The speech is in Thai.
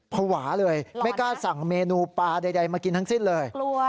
ภาวะเลยไม่กล้าสั่งเมนูปลาใดมากินทั้งสิ้นเลย